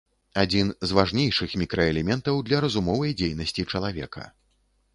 Адзін з важнейшых мікраэлементаў для разумовай дзейнасці чалавека.